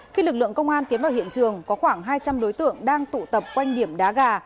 khi lực lượng công an tiến vào hiện trường có khoảng hai trăm linh đối tượng đang tụ tập quanh điểm đá gà